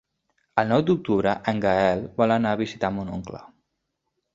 El nou d'octubre en Gaël vol anar a visitar mon oncle.